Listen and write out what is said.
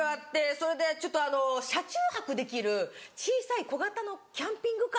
それでちょっと車中泊できる小さい小型のキャンピングカー。